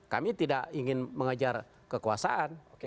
kami tidak ingin mengejar kekuasaan